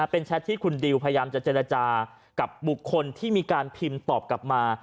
เป็นแชทที่คุณดิวพยายามจะเจรจากับบุคคลที่มีการพิมพ์ตอบกลับมา